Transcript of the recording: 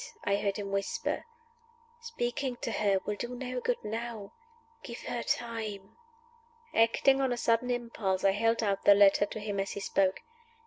I heard him whisper. "Speaking to her will do no good now. Give her time." Acting on a sudden impulse, I held out the letter to him as he spoke.